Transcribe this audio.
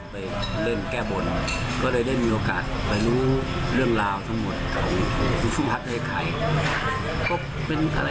ผมก็เลยรับปากแล้วก็แต่ง